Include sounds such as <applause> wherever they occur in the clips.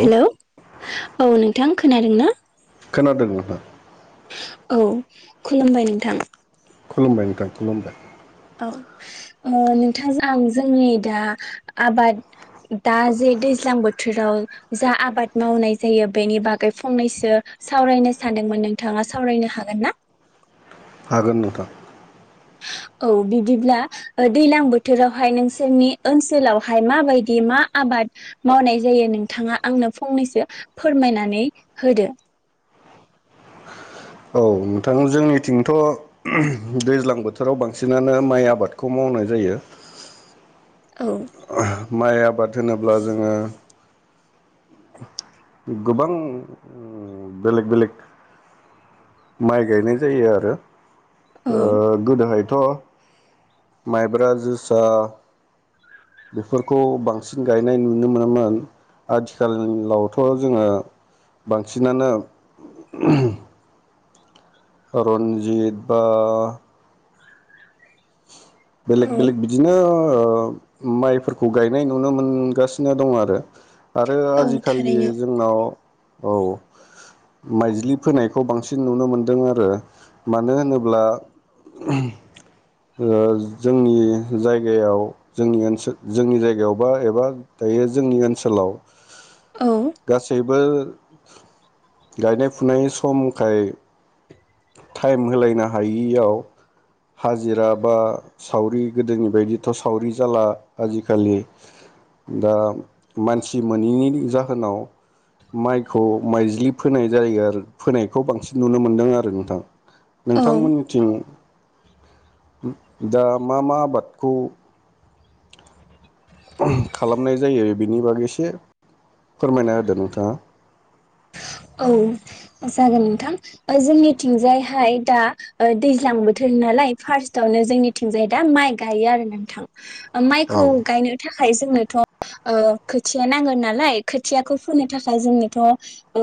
Hello औ नों बिथां खोनादों ना? खोनादों नोथां। औ खुलुमबाय नोंथां। खुलुमबाय नोंथां खुलुमबाय। औ ओ नोंथांजों आं जोंनि दा आबाद दा जे दैज्लां बोथोराव जा आबाद मावनाय जायो बेनि बागै फंनैसो सावरायनो सानदोंमोन नोंथाङा सावरायनो हागोन ना? हागोन नोंथां। औ बिदिब्ला दैलां बोथोरावहाय नोंसोरनि ओनसोलावहाय माबायदि मा आबाद मावनाय जायो नोंथाङा आंनो फंनैसो फोरमायनानै होदो। औ नोंथां जोंनिथिंथ' <unintelligible> दैज्लां बोथोराव बांसिनानो माइ आबादखौ मावनाय जायो। औ। ओह माइ आबाद होनोब्ला जोङो गोबां ओ बेलेक बेलेक। माइ गायनाय जायो आरो। औ ओ गोदोहाय थ' माइब्रा जोसा बेफोरखौ बांसिन गायनाय नुनो मोनोमोन आथिखालावथ' जोङो बांसिनानो <unintelligible> रन्जित बा औ बेलेग बेलेग बिदिनो ओ ओ माइफोरखौ गायनाय नुनो मोनगासिनो दङ आरो। आरो औ आजिखालि थारैनो जोंनाव औ माइज्लि फोनायखौ बांसिन नुनो मोन्दों आरो मानो होनोब्ला ओह्म। ओ जोंनि जायगायाव जोंनिओसोल जोंनि जायगायावबा एबा दायो जोंनि ओनसोलाव औ गासैबो गायनाय फुनाय समखाय टाइम होलायनो हायियाव हाजिरा बा सावरि गोदोनि बायदिथ' सावरि जाला आजिखालि दा मानसि मोनैनि जाहोनाव माइखौ माइज्लि फोनाय जायो आरो फोनायखौ बांसिन नुनो मोनदों आरो नोंथां। औ नोंथांमोननिथिं दा मा मा आबादखौ <unintelligible> ओह्म खालामनाय जायो? बिनि बागै एसे फोरमायना होदो नोंथाङा औ जागोन नोंथां जोंनिथिंजायहाय दा ओ दैज्लां बोथोर नालाय फार्स्टआवनो जोंनिथिंजाय दा माइ गायो आरो नोंथां। ओ नोंथाङा औ माइखौ गायनो थाख खाय जोंनोथ' ओ खोथिया नांगोन नालाय खोथियाखौ फोनो थाखाय जोंनोथ' औ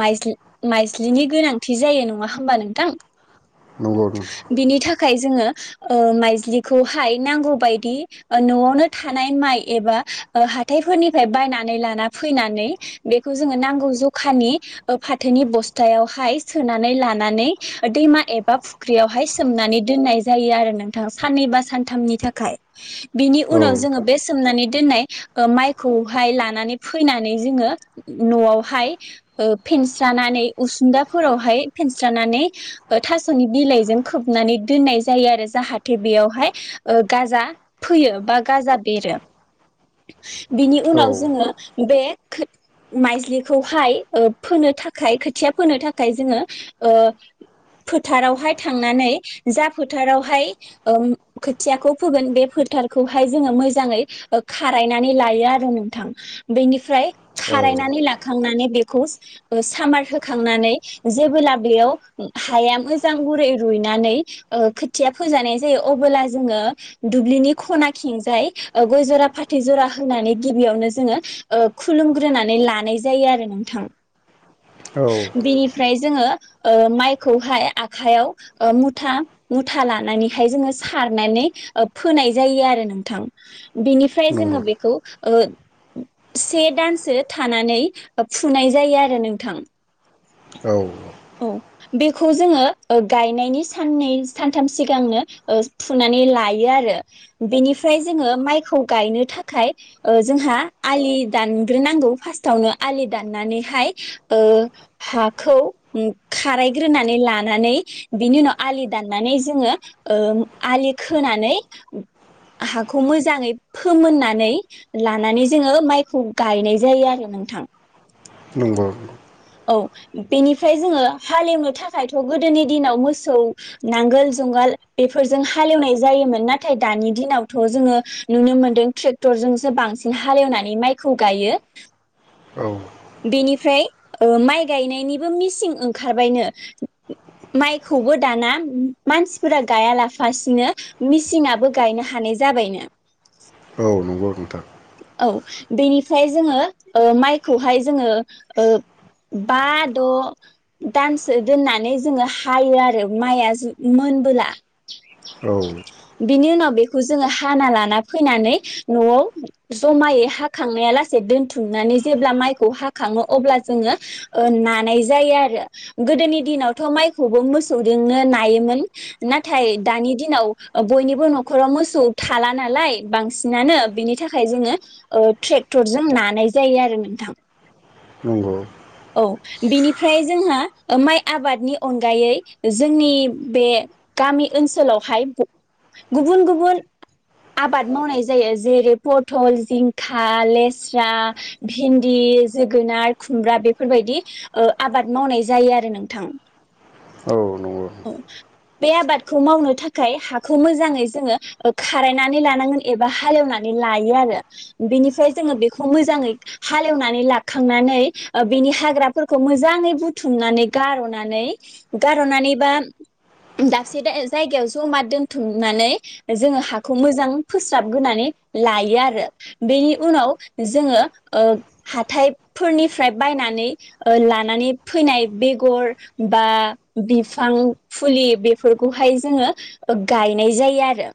माइज्लि माइज्लिनि गोनांथि जायो नङा होमबा नोंथां? नंगौ बिनि थाखाय जोङो ओ माइज्लिखौहाय नांगौ बायदि ओ न'आवनो थानाय माइ एबा ओ हाथायफोरनिफ्राय बायनानै लाना फैनानै बेखौ जोङो नांगौ ज' अखानि ओ फाथोनि बस्थायावहाय सोनानै लानानै दैमा एबा फुख्रियावहाय सोमनानै दोननाय जायो आरो नोंथां साननैबा सानथामनि थाखाय। बिनि औ उनाव जोङो बे सोमनानै दोननाय ओम माइखौहाय लानानै फैनानै जोङो न'आवहाय ओ फेनस्रानानै उसुंदाफोरावहाय फेनस्रानानै थास'नि बिलाइजों खोबनानै दोननाय जायो आरो जाहाथे बेयावहाय ओ गाजा फैयो बा गाजा बेरो। बिनि औ उनाव जोङो बे खोद-माइजलिखौ फाय ओ फोनो थाखाय खोथिया फोनो थाखाय जोङो ओ फोथारावहाय थांनानै जा फोथारावहाय ओम खोथियाखौ फोगोन बे फोथारखौहाय जोङो मोजाङै ओ खारायनानै लायो आरो नोंथां बेनिफ्राय औ खारायनानै लाखांन होखांनानै बेखौ ओ सामार होखांनानै जेबोब्ला बेयाव हाया मोजां गुरै रुइनानै ओ खोथिया फोजानाय जायो अबोला जोङो दुब्लिनि खना खेंजाय ओ गय जरा फाथै जरा होनानै गिबियावनो जोङो ओ खुलुमग्रोनानै लानाय जायो। जायो आरो नोंथां। ओ बेनिफ्राय जोङो ओ माइखौहाय आखयाव ओ मुथा मुथा लानानैहाय जोङो सारनानै ओ फोनाय जायो आरो नोंथां। बेनिफ्राय जोङो नंगौ बेखौ अ से दानसो थानानै फुनाय जायो आरो नोंथां। औ। औ बेखौ जोङो अ गायनायनि साननै सानथाम सिगांनो अ फुनानै लायो आरो बेनिफ्राय जोङो माइखौ गायनो थाखाय अ जोंहा आलि दानग्रोनांगौ फार्स्टआवनो आलि दाननानैहाय ओ हाखौ खारायग्रोनानै लानानै बिनि उनाव आलि दाननानै जोङो ओ आलि खोनानै हाखौ मोजाङै फोमोननानै लानानै जोङो माइखौ गायनाय जायो आरो नोंथां। नंगौ। औ बेनिफ्राय जोङो हालेवनो थाखायथ' गोदोनि दिनाव मोसौ नांगोल जुंगाल बेफोरजों हालेवनाय जायोमोन नाथाय दानि दिनावथ' जोङो नुनो मोनदों ट्रेक्टरजोंसो बांसिन हालेवनानै माइखौ गायो। औ। बेनिफ्राय ओ माइ गायनायनिबो मिसिं ओंखारबायनो माइखौबो दाना मानसिफोरा गायालाफासिनो मिसिंआबो गायनो हानाय जाबायनो। औ नंगौ नोंथां। औ बेनिफ्राय जोङो अ माइखौहाय जोङो ओ बा द'दानसो दोननानै जोङो हायो आरो माइआ जो मोनबोला औ बिनि उनाव बेखौ जोङो हाना लाना फैनानै न'आव जमायै हाखांनाया लासे दोनथुमनानै जेब्ला माइखौ हाखाङो अब्ला जोङो अ नानाय जायो आरो गोदोनि दिनावथ' माइखौबो मोसौजोंनो नायोमोन नाथाय दानि दिनाव बयनिबो न'खराव मोसौ थाला नालाय बांसिनानो बिनि थाखाय जोङो अ ट्रेक्टरजों नानाय जायो आरो नोंथां । नंगौ औ बेनिफ्राय जोंहा माइ आबादनि अनगायै जोंनि बे गामि ओनसोलावहाय गु-गुबुन गुबुन आबाद मावनाय जायो जेरै पथल जिंखा लेस्रा भिन्दि जोगोनाद खुमब्रा बेफोरबायदि अओ आबाद मावनाय जायो आरो नोंथां औ नंगौ औ बे आबादखौ मावनो थाखाय हाखौ मोजाङै जोङो खारायनानै लानांगोन एबा हालेवनानै लायो आरो बेनिफ्राय जोङो बेखौ मोजाङै हालेवनानै लाखांनानै अ बेनि हाग्राफोरखौ मोजाङै बुथुमनानै गार'नानै- गार'नानै बा दाबसे दा जायगायाव जमा दोनथुमनानै जोङो हाखौ मोजां फोस्राबग्रोनानै लायो आरो बेनि उनाव जोङो ओ हाथायफोरनि फ्राय बायनानै ओ लानानै फैनाय बेगर बा बिफां फुलि बेफोरखौहाय जोङो गायनाय जायो आरो।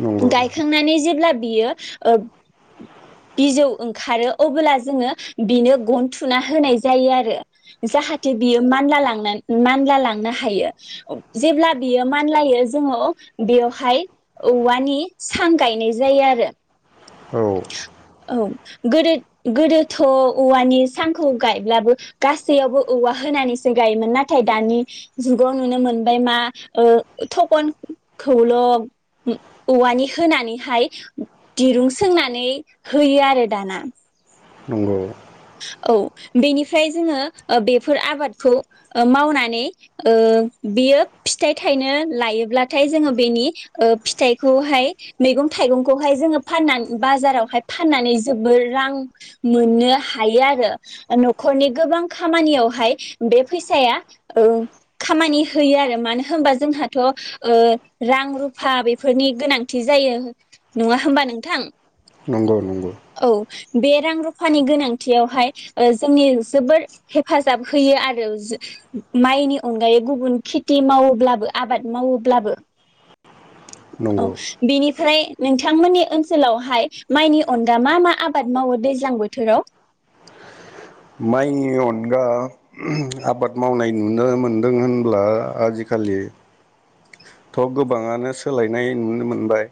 नंगौ गायखांनानै जेब्ला बियो औ बिजौ ओंखारो अब्ला जोङो बिनो गन थुना होनाय जायो आरो जाहाथे बियो मानला लां- मानला लांनो हायो जेब्ला बियो मानलायो जोङो बेवहाय औवानि सां गायनाय जायो आरो। औ। औ गोदो-गोदोथ' औवानि सांखौ गायब्लाबो गासैयावबो औवा होनानैसो गायोमोन नाथाय दानि जुगाव नुनो मोनबाय मा अ थखनखौल' औ-औवानि होनानैहाय दिरुं सोंनानै होयो आरो दाना। नंगौ। औ बेनिफ्राय जोङो अ बेफोर आबादखौ मावनानै ओ बेयो फिथाइ थाइनो लायोब्लाथाय जोङो बेनि अ फिथाइखौहाय मैगं थाइगंखौहाय जोङो फानना बाजारावहाय फाननानै जोबोर रां मोनो। हायो आरो न'खरनि गोबां खामानियावहाय बे फैसाया ओ खामानि होयो आरो मानो होनबा जोंहाथ'ओ रां रुफा बेफोरनि गोनांथि जायो नङा होमबा नोंथां? नंगौ नंगौ। औ बे रां रुफानि गोनां थियावहाय ओ जोंनि जोबोर हेफाजाब होयो आरो जो माइनि अनगायै गुबुन खेति मावोब्लाबो आबाद मावोब्लाबो औ नंगौ बिनि फ्राय नोंथांमोननि ओनसोलावहाय माइनि अनगा मा मा आबाद मावो दैज्लां बोथोराव? माइनि अनगा आबाद मावनाय नुनो मोनदों होनब्ला आजिखालि थ' गोबाङानो सोलायनाय नुनो मोनबाय।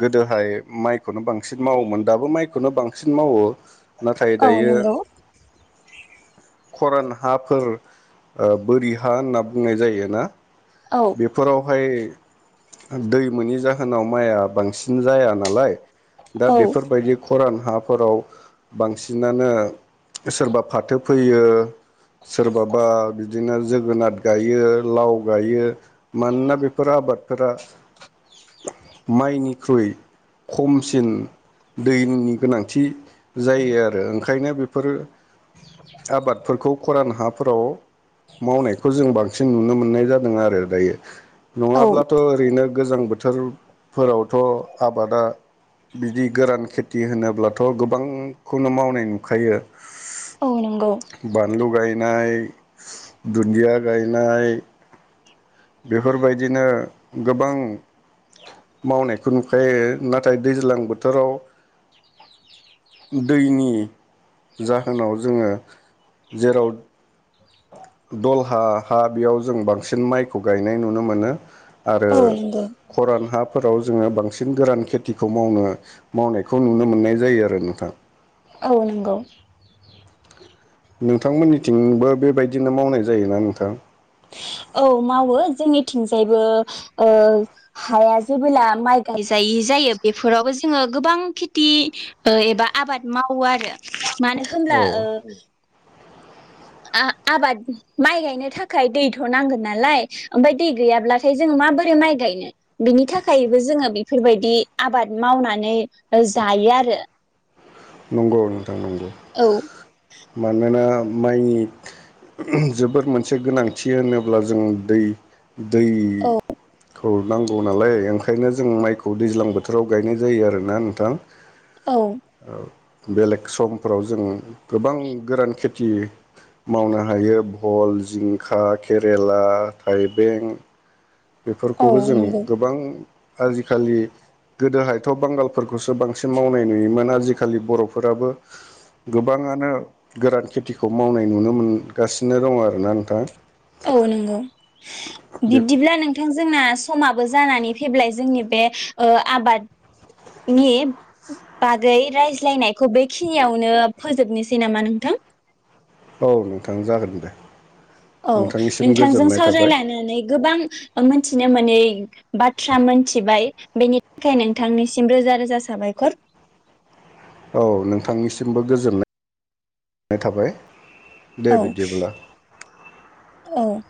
गोदोहाय माइ खौनो बांसिन मावोमोन दाबो माइखौनो बांसिन मावो। नाथाय औ दायो नंगौ खरान हाफोर अ बोरि हा होनना बुंनाय जायोना? औ बेफोराव बेहाय दै मोनि जाहोनाव माइआ बांसिन जाया नालाय दा औ बेफोरबायदि खरान हाफोराव बांसिनानो सोरबा फाथो फैयो सोरबाबा बिदिनो जोगोनार गायो, लाव गायो मानोना बेफोर आबादफोरा माइनिख्रुइ खमसिन दैनि गोनांथि जायो आरो ओंख ओंखायनो बेफोर आबादफोरखौ खरान हाफोराव मावनायखौ जों बांसिन सिन नुनो मोननाय जादों आरो। दायो। औ नङाब्लाथ' ओरैनो गोजां बोथोर फोरावथ' आबादा बिदि गोरान खेथि होनोब्लाथ' गोबांखौनो मावनाय नुखायो। औ नंगौ बानलु गायनाय, दुन्दिया गायनाय बेफोरबायदिनो गोबां मावनायखौ नुखायो। नाथाय दैज्लां बोथोराव दैनि जाहोनाव जोङो जेराव <inaudible> दलहा हा बेयाव जों बांसिन माइखौ गायनाय नुनो मोनो। आरो औ नंगौ खरान हा फोराव जोङो बांसिन गोरान खेथिखौ मावनो मावनायखौ नुनो मोननाय जायो आरो नोंथां। औ नंगौ। नोंथांमोननिथिंबो बेबायदिनो मावनाय जायोना नोंथां? औ मावो जोंनिथिंजायबो ओ हाया जेबोला माइ गायजायि जायो बेफोरावबो जोङो गोबां खेथि ओ एबा आबाद मावो आरो। मानो औ होमब्ला ओ ओ आबाद माइ गायनो थाखाय दैथ' नांगोन नालाय ओमफाय दै गैयाब्लाथाय जोङो माबोरै माइ गायनो बिनि थाखायबो जोङो बेफोरबायदि आबाद मावनानै जायो आरो। नंगौ नों थां नंगौ औ मानोना माइनि जोबोर मोनसे गोनांथि होनोब्ला जों दै दै औ खौ औ नांगौ नालाय ओंखायनो जों माइखौ दैज्लां बोथोराव गायनाय जायो आरोना नोंथां। औ औ बेलेग समफोराव जों गोबां गोरान खेथि मावनो हायो भल, जिंखा, केरेला, थाइबें औ बेफोरखौबो जों नंगौ गोबां आजिखालि गोदोहायथ' बांगालफोरखौसो बांसिन मावनाय नुयोमोन आजिखालि बर'फोराबो गोबाङानो गोरान खेथिखौ मावनाय नुनो मोनगासिनो दङ आरोना नोंथां। औ नंगौ बे औ बिब्दिब्ला नों थां जोंना समाबो जानानै फैबाय जोंनि बे आबादनि बागै रायज्लायनायखौ बेखिनियावनो फोजोबनोसै नामा नोंथां? औ नोंथां जागोन दे। औ नोंथांनिसिम नोंथांजों गोजोननाय थाबाय सावरायलायनानै गोबां मिथिनो मोनै बाथ्रा मोनथिबाय बेनि थाखाय नोंथांनिसिम रोजा रोजा साबायखर। औ नोंथांनिसिमबो गोजोननाय थाबाय। दे औ, बिदिब्ला औ।